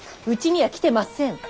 うちには来てません！